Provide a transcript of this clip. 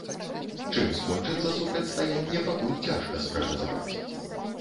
Чым скончыцца супрацьстаянне, пакуль цяжка спрагназаваць.